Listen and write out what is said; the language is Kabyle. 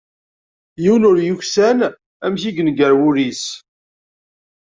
Yiwen ur yuksan amek yenger wul-is.